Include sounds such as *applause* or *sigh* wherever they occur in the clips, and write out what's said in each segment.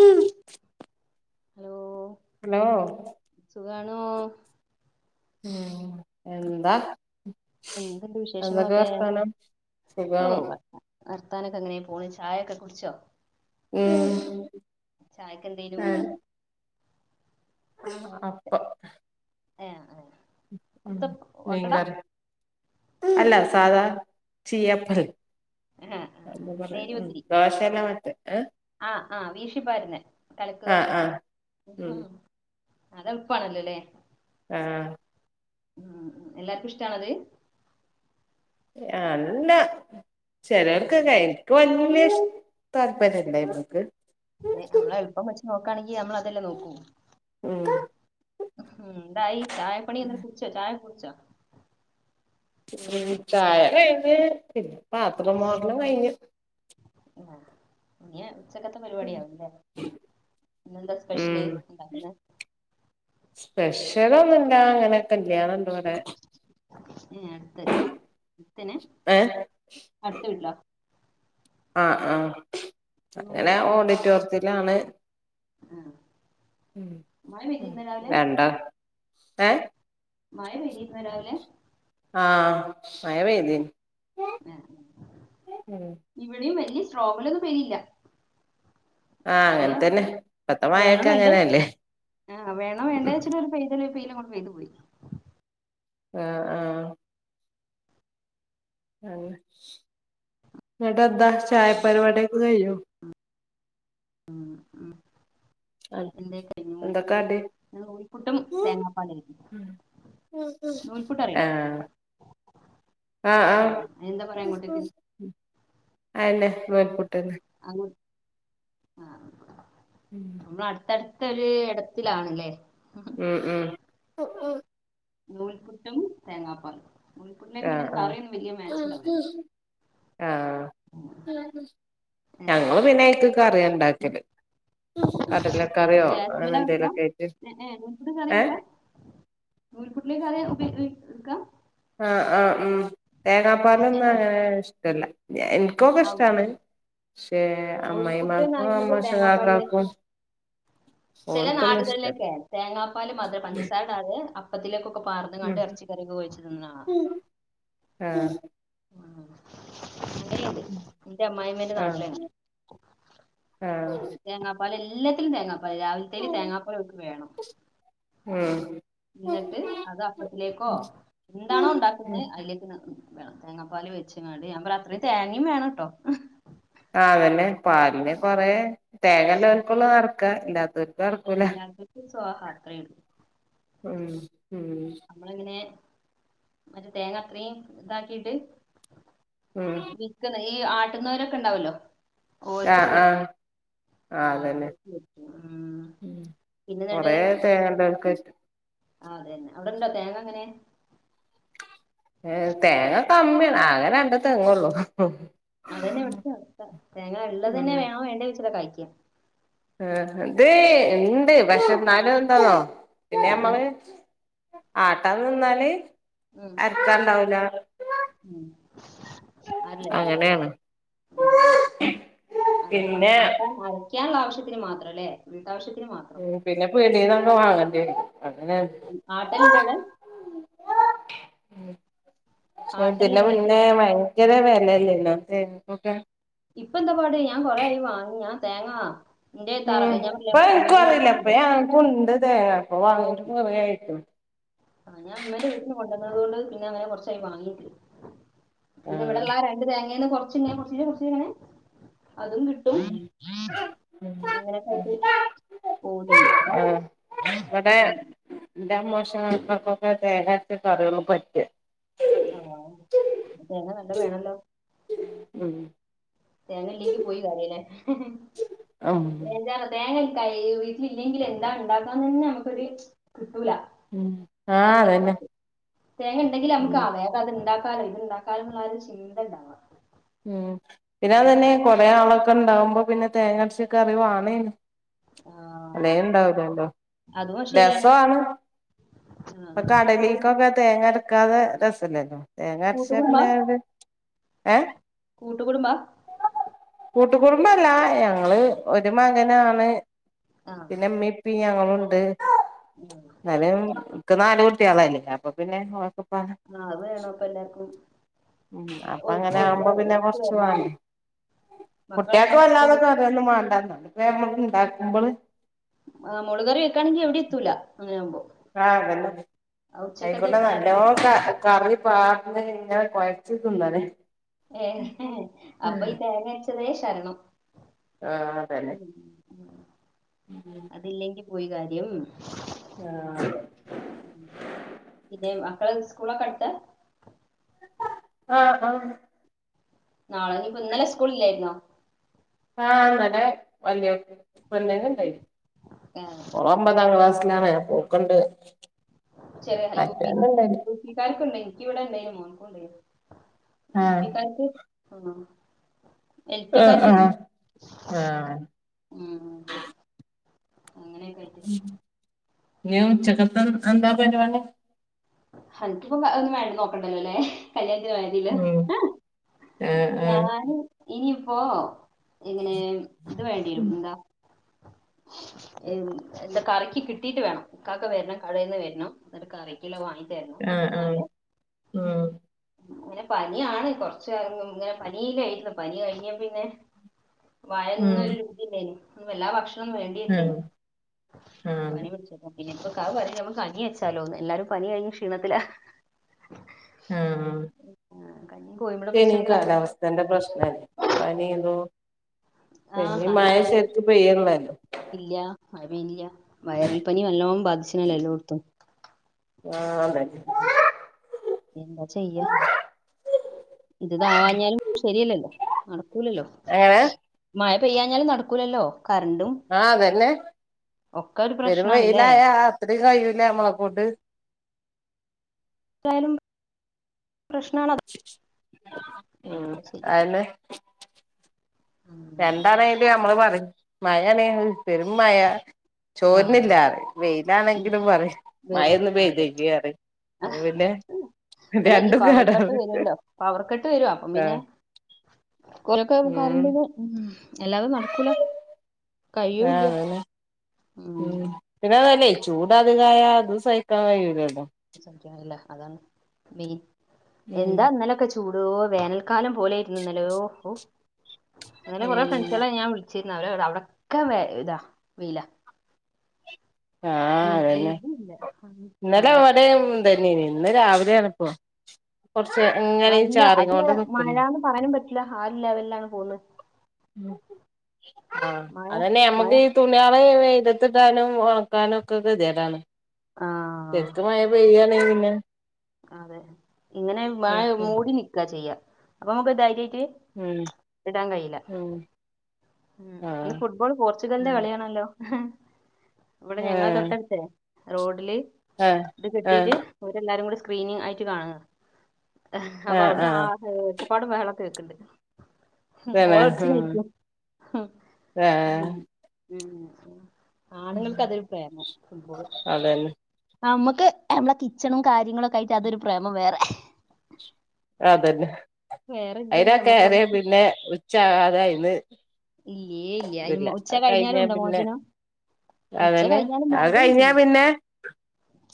ഉം hello hello സുഖാണോ ഉം എന്താ എന്തുണ്ട് എന്തൊക്കെ വിശേഷങ്ങളൊക്കെ വർത്താനം ഓ സുഖം വർത്താനെക്കെ അങ്ങനെ പോണ് ചായക്കെ കുട്ച്ചോ ഉം ചായക്ക് എന്തേനു ആ ആ അപ്പൊ ഏ ആ കുത്തബ് ഓട്ടട മീൻകറി അല്ല സാധാ ഏ ചീയപ്പറ് ആ ആ ആ, എന്താ പറയാ ഉം നേരിയവത്തിരി ദോഷന്നെ മറ്റേ ആ ആ വീഷിപ്പാരുന്നേ കലക്ക് ദോശ ആഹ് ആഹ് ഉം അത് എൾപ്പാണ്ല്ല ലെ ആ ഉം എല്ലാർക്കു ഇഷ്ട്ടാണോ അത് അ ല്ല ഉം ഉം. ചേലോര്ക്കൊക്കെ ക്ക് വല്യഷ് താല്പര്യല്ല ഇവക്ക് ഞ് അമ്മള് എൾപ്പം വെച്ച് നോക്കാണെങ്കി അമ്മള് അതെല്ലെ നോക്കൂ ഉം ഹും ന്തായി ചായപണിക്കെ കുട്ച്ചോ ചായ കുട്ച്ചോ ഉം ചായകഴിഞ്ഞ് പിന്നെ പാത്രം മോർലും കഴിഞ്ഞ് ഇഞ് ച്ചക്കത്തെ പരിവാടിയാവുംല്ലേ. ഇന്നെന്താ സ്പെഷല് ണ്ണ്ടാക്ക്‌ന്നെ? സ്പെഷ്യലൊന്നുംല്ല അങ്ങനെക്കെല്യാണം ഏഹ് അട്ത്തഹ് പിന്നെ ഏഹ് അട്ത്ത വീട്ട്ലോ? ആ അ അങ്ങനെ ഓഡിറ്റോർത്തിലാണ് ആഹ് മഴ പെയ്തിരുന്നോ രാവിലെ വേണ്ട ഏ മഴ പെയ്തിർന്നോരാവിലെ? ആമഴപെയ്തിനു ഇവിടെ വെല്യ സ്ട്രോങ്ങി ലൊന്നും പേയ്തില്ല ആഹ് അങ്ങൻതന്നെ ഇപ്പത്തെ മയക്കെ അങ്ങനെല്ലേ ആ വേണോവേണ്ടെച്ട്ട് ഒരു പെയ്തല് പെയിലങ്ങ്ട്ട് പെയ്തുപോയി ആഹ് ആ അഹ് ന്ന്ട്ടെന്താ ചായ ഉം പരിപാടിക്കെ കഴിഞ്ഞോ ഉം ഉം എന്തേ കഴിഞ് എന്താ കടി നൂൽപുട്ടും തേങ്ങാപ്പാലേയ്നി ഏഹ് ആ ആ ആഹ് എന്താ പറയാ അങ്ങോട്ടേക്ക് ആന്നെ നൂൽപുട്ട് അന്ന് ആ ആ ഉം അമ്മ്ള് അട്ത്തട്ത്തൊര് എട്ത്തിലാണ്ലെ ഉം ഉം ഉം ഉം നൂൽപുട്ടും തേങ്ങാപ്പാലും നൂൽപുട്ടിലേക്ക് പിന്നെ ആഹ് ആഹ് കറിയൊന്നുംവല്യ മാച്ച്ണ്ടാവൂല ആഹ് ഞങ്ങള് പിന്നെ അയിക്ക് ഏ. കറിയാണ്ടാക്കല് കടലക്കറിയോ അങ്ങനെന്തെ ല്ലേക്കായിട്ട് എന്ത് കറിയെക്കാ നൂൽപുട്ട്ലേക്ക് കറിയാ ഉപയോക്യാ ആ ആ ഉം ഏ തേങ്ങാപ്പാലൊന്നങ്ങനെ ഇഷ്ടല്ല എ എൻ എൻകോക്ഷ്ടാണ് ക്ഷേ.. അമ്മായ് നൂൽപുട്ട്ന്ന് മ്മാക്കും പറയുന്നത് അമ്മോഷക്കാക്കാക്കും ചെല നാട്കൾളെക്കെ തേങ്ങാപാല് മാത്രംപഞ്ചസാരെക്കെ അതെ അപ്പത്തിലേക്കൊക്കെപാർന്ന്ങ്ങാട് എർച്ചിക്കറിയൊക്കെഒഴിച്തിന്നാണ് ഉം ആഹ് ണ്ടെഅത് ന്റെ അമ്മായിമ്മന്റെ ആഹ് നാട്ടിലങ്ങെന ആഹ് തേങ്ങാപ്പാല് എല്ലത്തിലും തേങ്ങാപ്പാല് രാവിൽതേല് തേങ്ങാപ്പാല്ലോക്ക് വേണം ഉം ന്ന്ട്ട് അത് അപ്പത്തിലേക്കോ ന്താണോണ്ടാക്കുന്നേ അയിലേക്ക് നിർ വേണം തേങ്ങാപാല് വെച്ച്ങ്ങാണ്ട് ഞാപറ അത്രയും തേങ്ങിവേണട്ടോ ഹ് ആ അതന്നെ പാലിന് കൊറെ തേങ്ങള്ളോൽക്കുള്ളു നടക്ക ഇല്ലാത്തോൽക്ക് നടക്കൂല അല്ലാതോർക്ക് സ്വാഹാ അത്രേള്ളൂ ഉം.. ഉം. അമ്മളിങ്ങനെ മറ്റേതേങ്ങ അത്രീ താക്കിട്ട് ഉം ക്ക്‌ണ് ഈ ആട്ടുന്നൊരൊക്കെ ണ്ടാവല്ലോ ആ ആ ആ അതന്നെ ഓർക്ക് പറ്റും ഉം ഉം പിന്നെ എന്നിട്ട് കൊറേതേങ്ങള്ളോർക്കറ്റും ആ അതന്നെ അവിടെണ്ടോ തേങ്ങ അങ്ങനെ ഏ തേങ്ങ കമ്മിയാണ് ആകെ രണ്ട് തേങ്ങ് ഉള്ളൂ അതന്നെ ഇവിടത്തെ അവസ്ഥ തേങ്ങ ഉള്ളത് തന്നെ ഉം വേണോ വേണ്ടേ വെച്ചിട്ട കായ്ക്കാ ആ ഇത് ഇണ്ട് പക്ഷെ ഇന്നാലും എന്താന്നോ പിന്നെ ഉം നമ്മളെ ആട്ടാൻ നിന്നാല് ഉം അരക്കാണ്ടാവൂല ഉം അരലേ വല്ല അങ്ങനെയാണ് *unintelligible* അതെ പിന്നെ ആട്ടാൻ അരക്കാനുള്ള ആവശ്യത്തിന് മാത്രം അല്ലേ വീട്ട് ആവശ്യത്തിന് മാത്രം ഉം പിന്നെ പീട്യേന്നൊക്കെ വാങ്ങണ്ടിവരും അങ്ങനെ ഉം ആട്ടല്ലില്ലേവ്ടെ ഉം ചെർതിന് ഇതിന് ആട്ടലുണ്ടോ ചോദിക്കാ മുന്നെ മയങ്ങി യെങ്കെരെ വെലല്ലേ ഇന്ന് തേങ്ങക്കൊക്കെ ഇപ്പൊ എന്താ പാട് ഞാ കൊറേയ് വാങ്ങ് ഞാൻ തേങ്ങാ ഉം പ്പ ൻക്കും അറിയില്ല ഇപ്പോ ഞങ്ങ്ക്കുണ്ട് തേങ്ങ പ്പോ വാങ്ങിട്ട് കുറേ ആയിക്ക്ണ് ആഹ് ഞാൻ മ്മെന്റെ വീട്ട്ന്ന് കൊണ്ടുവന്നത് കൊണ്ടാ പിന്നെ അങ്ങനെ കൊറച്ചായി വാങ്ങീയിട്ട് ആഹ് പിന്നെവ്ടെള്ള രണ്ട് തേങ്ങേന്ന് കൊറച്ച്ങ്ങനെ കൊറച്ചീച്ചേ കൊറച്ചീച്ചേ ങ്ങനെ അതും കി ഉം ഉം അങ്ങനെക്കെയ്ട്ട് പോവുന്ന്ണ്ട് ഉം ന്റെ അമ്മോശൻ കാക്കാക്കൊക്കെ തേങ്ങരച്ച കറികളൊള്ളു പറ്റ്ആ ആവൂ തേങ്ങ നല്ലത് വേണല്ലോ ഉം തേങ്ങ ഇല്ലെങ്കി പോയ് കാര്യല്ലേ ഉം എന്താ തേങ്ങ കയ്യൂയി വീട്ട്ലില്ലെങ്കില് ന്താണ്ടാക്കാന്ന് നമുക്കൊരു കിട്ടൂല ഉം ആഹ് അതന്നെ നാളെഎന്തെങ്കിലുംകാട്ട് തേങ്ങണ്ടെങ്കില് നമ്മക്ക് ആവേ അത്ണ്ടാക്കാലോ ഇത്ണ്ടാക്കാലോന്ന്ള്ളൊരാ ചിന്തണ്ടാവ ഉം പിന്നെ അതന്നെ കൊറേ ആളൊക്കെണ്ടാവുമ്പോ പിന്നെ തേങ്ങരച്ച കറി വാണേന്നും ആ അതേ അതെ ഇണ്ടാവുലല്ലോ അതും ശരിയാണ് രസ്വാണ് ആ ആ. കൂട്ടുകുടും പ്പകടലിൽക്കോക്കെ തേങ്ങ അരക്കാതെ രസല്ലല്ലോ തേങ്ങ അരച്ചാ കൂട്ടുകുടുംബാ പിന്നെ ഒര് ഏഹ് കൂട്ടുകുടുംബാ കൂട്ടു കുടുംബല്ല ഞങ്ങള് ഒരു മകനാണ് ആ പിന്നെ മ്മിം പ്പിം ഞങ്ങളുണ്ട് ഉം ന്നാലും ൻക്ക് നാല് കുട്ടിയളല്ലേ അപ്പൊ പിന്നെ ഓൻക്കും ആ അത് വേണം ഇപ്പൊ എല്ലാവർക്കും അപ്പ അങ്ങനെ ആവുമ്പോ പിന്നെ ഒത്ത് കൊർച്ച് വരണല്ലോ വാങ്ങി കുട്ട്യേക്ക് മക്കളെങ്ങനെ സ്കൂൾ വല്ലാതൊക്കെ ഇത്രെയൊന്നും മാണ്ടാന്ന് ഇത്രേം നമ്മക്ക്ണ്ടാക്കുമ്പള് ആഹ് മോള് കറി വെക്കാണെങ്കി എവിടേം എത്തൂല അങ്ങനെ ആവുമ്പോ ആഹ് അതന്നെ ആയിക്കോട്ടെ നല്ലോം നേരത്തേക്ക് ക കറി പ അങ്ങനെ ഇങ്ങനെ കൊയച്ച് തിന്നല്ലേ ഏ അപ്പൊ ഈ തേങ്ങരച്ചതേ ശരണം ആ ഉം ആഹ് ബിരിയാണി അതില്ലെങ്കി പോയ് കാര്യം ആഹ് ആഹ് ഉം പിന്നെ മക്കള് സ്കൂളക്കെ അടുത്താ ആഹ് ആഹ് നാളെ ഇനീപ്പോ ഇന്നലെ സ്കൂള്ല്ലാരുന്നോ ആഹ് ഇന്നലെ വല്യവക്ക് പെണ്ണിന്ണ്ടായിനി ഓള് ഓമ്പതാം ക്ലാസ്സ്ലാണ് ഓക്ക്ണ്ട് ചെലര് യൂ പി മറ്റോന്ണ്ടായിനി യൂപിക്കാർക്ക്ണ്ട് എനിക്ക്വ്ടെണ്ടേനു മോനക്കും ഉണ്ടേയ്നു ആ യൂപീക്കാർക്ക് ആഹ് ആ ആ എൽപീക്കാർക്ക്ല്ല ആ ഉം അങ്ങനെക്കെ ഉം ഇനിം ഉച്ചക്കത്തെതെട്ക്കാനെന്താ പരിവാടി ഹൽക്ക്പ്പം എഹ് ഒന്നും വേണ്ട ഒന്നും നോക്കണ്ടല്ലോലേ കല്യാണത്തിന് പോയാമതീലൊ ഉം ആ ആ ഞാന് ഈയ്പ്പോ ഇങ്ങനെ ഇത് വേണ്ടീവരും ന്താ എൻ എന്താ കറിക്കി കിട്ടീട്ട് വേണം ഇകാക്ക വെര്നം കടേന്ന് വെര്നം ന്ന്ട്ട് കറിക്ക്ള്ളേ വാങ്ങിത്തെര്നം ആ ആ ന്നാല് ഉം. അങ്ങനെ പന്യാണ് കൊറച്ച അയ് ഇങ്ങനെ പനീല്ലേ ആയ്ട്ട്ള്ള പനി കഴിഞ്ഞേ പിന്നെ ഉം മയൊന്നൊര് വൃത്തില്ലേനീ എല്ലാ വർ ഉം വേണ്ട്യേരൂലേനി ആഹ് പനി പിട്ച്ചാ പിന്നപ്പൊക്കാ പറയ് അമ്മക്ക് കഞ്ഞിയെച്ചാലോന്ന് എല്ലാരും പനി കഴിഞ്ഞ് ക്ഷീണത്ത്ലാ. ആഹ്. ആ, കഞ്ഞിയും കോഴിമുട്ട ക്കെനീ പൊരിച്ചതൊക്കെ ആയല്ലോ കാലാവസ്ഥന്റെ പ്രശ്നാ പനീ ഇതൂ പിന്നീ മഴ ശെര്ക്ക് പെയ്യണ്ടേ. ഇല്ല്യാ മഴ പെയ്നില്ല്യാ. വയ്റൽ പനി നല്ലോം ബാധ്ച്ച്നല്ലോ എല്ലോട്ത്തും. ആഹ് അതന്നെ എന്താ ചെയ്യാ. ഇദ്താവാഞ്ഞാലും ശെര്യല്ലല്ലോ നടക്കൂലല്ലോ. എങ്ങനെ മഴ പെയ്യാഞ്ഞാലും നടക്കൂലല്ലോ കറണ്ടും ആഹ് അതന്നെ ഒക്കെ ഒരു പെരും പ്രശ്നാണല്ലേ വെയിലായ അത്രീം കയ്യൂലേ നമ്മളെക്കൊണ്ട് എന്തായാലും പ്രശ്നാണത്. ഉം ചെയ്യാ അയെന്നെ. രണ്ടാണേ അയില് നമ്മള് പറയു മഴാനെ പെരും മഴ. ആ ചോര്നില്ല ഉം, വെയിലാണെങ്കിലും പറയും മഴൊന്ന് പെയ്തേക്കീ പറയും. അപ്പൊ ആഹ് പിന്നെ അല്ല ഇഞ്ഞീ രണ്ടും പവർ കട്ട് കേടാണ് വരല്ലോ പവർ കട്ട് വരൂ അപ്പം പിന്നെ ആഹ് *unintelligible* ഉം കറണ്ടിന് എല്ലാതെ നടക്കൂല ആഹ് കയ്യൂല്ല്യ. അതന്നെ ഉം പിന്നതല്ലേയ് ചൂടതികായ അതൂ സയിക്കാൻ കഴൂലേല്ലോ. സയിക്കാന് കയ്യുല അതാണ് മെയിൻ ഉം എന്താ ന്നലൊക്കെ ചോ ചൂടോ വേനൽക്കാലം പോലൊയ്ര്ന്നുന്നല്ലോ ഓഹ് ഇന്നലെ കൊറെ ഫ്രണ്ട് സേളെ ഞാൻ വിള്ച്ചിര്ന്ന് അവരെ അവടൊക്കെ ഇതാ വെയ്ലാ. ആഹ് അതന്നെ എവിടെയില്ല ഇന്നലെ മഴ ഇവടിം ഇതന്നേനീ ഇന്ന് രാവില്യെ ആണ്പ്പോ. കൊറച്ച് ഇങ്ങനേയ് ചാറീങ്ങോണ്ട് നിക്ക്ന്ന്. പറ്യാനും പറ്റ്ല്ല ആഹ് ഒര് ലെവല്ലാണ് പോവ്ന്നേ. ആഹ് മഴ അതന്നെ മഴ നമ്മക്ക് തുണ്യള് വെയ്ലത്തിടാനും ഒണക്കാനും ഒക്കെ ഗത്യേടാണ്. ആ ശെര്ക്കൂ മഴ പെയ്യാണേയ് പിന്നെ ആഹ് അതെ ഇങ്ങനെ മായ് മൂടി നിക്കാ ചെയ്യാ അപ്പൊ നമ്മക്ക് ധെെര്യായിറ്റ് ഉം ഇടാൻ കയ്ല്ല ഉം ഉം ഇന്ന് ആഹ് ഫുട്ബോൾ പോർച്ചുഗല്ന്റെ കള്യാണല്ലോ. ഇവടെ ഞങ്ങളെ ആഹ് തൊട്ടട്ത്തേ റോഡില് ആഹ് ഇത് ആഹ് കെട്ടീട്ട് ഓരെല്ലാരും കൂടെ സ്ക്രീനിങ് ആയിട്ട് കാണ്വാ അപ്പൊ ആഹ് അവ്ട്ന്ന് ആ ആഹ് ച്ചുപ്പാടും ബഹളൊക്കേക്ക്ണ്ട്. തന്നെ ഉം ഗോളട്ച്ചതേയ്ക്കും ആഹ് ഉം ആണ്ങ്ങൾക്ക് അതൊര് പ്രേമാ ഫുട്ബോള്. അതന്നെ നമ്മക്ക് നമ്മളെ കിച്ചണും കാര്യങ്ങളും ഒക്കൊയിറ്റ് അതൊരു പ്രേമം വേറെ. അതന്നെ വേറെ ഇല്ലല്ലോ നമുക്ക് അവ- അയിനാക്കാറിയാ പിന്നെ ഉച്ചാകാതെ അയിന്ന് ഇല്ലേല്ല്യ ഇതില്ല അയിന് ഉച്ച അത് കഴിഞ്ഞാ കഴിഞ്ഞാലുണ്ടോ പിന്നെ മോചനം? ഉച്ച അതന്നെ കഴിഞ്ഞാല് അത് കഴിഞ്ഞാ മോചനല്ല്യല്ലോ. പിന്നെ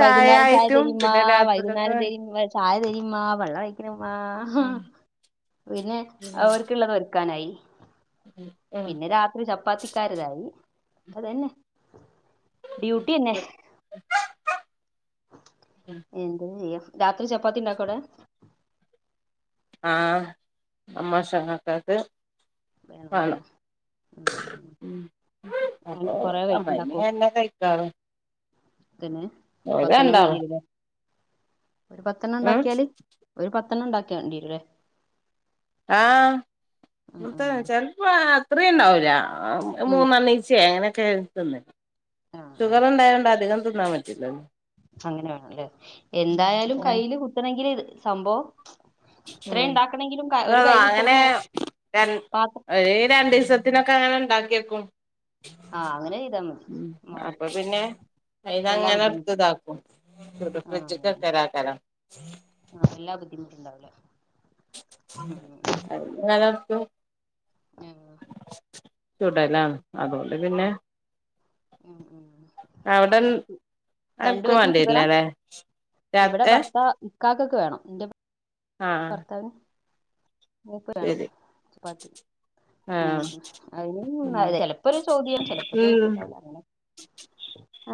വൈകുന്നേരം ചായ ആയിട്ടും തെരിമ്മാ പിന്നെ രാത്രിക്കത്തെ വൈകുന്നേരം തെരീ ചായ തെരിമ്മാ പള്ള പയ്ക്ക്ണിമ്മാ ആഹ് പിന്നെ ഓല്ക്ക്ള്ളതൊര്ക്കാനായി. ഉം പിന്നെ രാത്രി ചപ്പാത്തിക്കാർതായി അതന്നെ ഡ്യൂട്ടി തന്നെ എന്ത ചെയ്യ രാത്രി ചപ്പാത്തി ഉണ്ടാക്കൂടെ ആഹ് മോശങ്ങളൊക്കത്ത് വേണം അല്ലേ കാണം ഉം, ഉം ഉം. അപ്പൊ കൊറേ വൈ അമ്മന ഉണ്ടാക്കോ എന്നന്നെ കയ്ക്കറ പത്തന് പത്തെണ്ണം വേണ്ടില്ലേ ഒരു പത്തെണ്ണം ഉം ഇണ്ടാക്ക്യാല് ഒരു പത്തെണ്ണം ഇണ്ടാക്ക്യണ്ടെരുംല്ലേ ആഹ് മൂത്തെ ചെൽപ്പോ അത്രീം ഇണ്ടാവൂല്ല ആ മൂന്നെണ്ണീ ച്ചെ അങ്ങനെക്കെ തിന്നല് ആ ആ ഷുഗർ ഉണ്ടായോ ണ്ട്‌കൊണ്ട് അധികം തിന്നാൻ പറ്റില്ലല്ലോ അങ്ങനെ വേണല്ലേ ഉം എന്തായാലും ഉം കയ്യില് കുത്തണെങ്കില് സംഭവം ഉം ഇത്രയും ഉണ്ടാക്കണെങ്കിലും ക- ഒരു *unintelligible* കയ്യില് അങ്ങനെ കുത്തണംന്ന് രൺ പാത്രം ഒര് രണ്ടീസത്ത് ത്തിനാെക്കെ അങ്ങനെ ഇണ്ടാക്ക്യക്കും ആ അങ്ങനെ ചെയ്താൽ മതി മാവ് അപ്പപിന്നെ വല്ലാ അയ്ന്നങ്ങനെ ബുദ്ധിമുട്ട് ഇട്ത്ത്ഇതാക്കും *unintelligible* വെച്ചിട്ട് തെരാക്കാരം സ ആഹ് നല്ല ബുദ്ധിമുട്ട്ണ്ടാവൂലേ അത്ങ്ങനെ ഇട്ത്തും ആഹ് ചുടലാണ് അതോണ്ട് പിന്നെ ഉം ഉം അവ്ടെള്ള് രണ്ടു ആർക്കും പേർക്കും ഷുഗറാ വാണ്ട്യര്ല്ലല്ലേ രാത് ഏഹ് ഇക്കാക്കക്ക് വേണം ഇന്റെ ആഹ് ഭർത്താവിന് മൂപ്പരാണോ ശരി ചപ്പാത്തി ഉം ആഹ് അയിന് ഉം ന്നാ ചെലപ്പൊരു ചോദ്യം ചെലപ്പൊരു ചോദ്യം ഉം ഉണ്ടാവൂല്ല അങ്ങനെക്കെ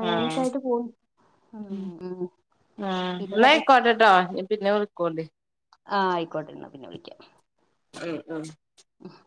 അങ്ങനെക്കെ ആഹ് ആയിട്ട് പോയി ആഹ് പിന്നെ ന്നാ രണ്ട്- അയിക്കോട്ടെട്ടോ ഇനി പിന്നെ വിളിക്കോണ്ടിട്ടോ ആഹ് ആയിക്കോട്ടെന്നാ പിന്നെ വിളിക്കാ ഉം ആഹ് ആഹ്